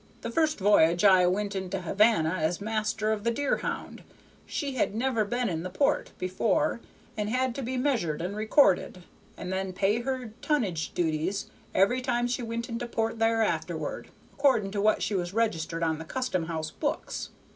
The first v'y'ge I went into Havana as master of the Deerhound, she had never been in the port before and had to be measured and recorded, and then pay her tonnage duties every time she went into port there afterward, according to what she was registered on the custom house books.